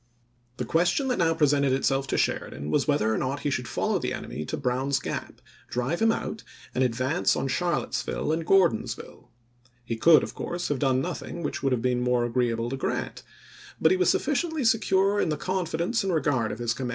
The question that now presented itself to Sheri dan was whether or not he should follow the en emy to Brown's Gap, drive him out, and advance on Charlottesville and Gordonsville. He could, of course, have done nothing which would have been more agreeable to Grant ; but he was sufficiently CEDAR CREEK 313 secure in the confidence and regard of his com chap.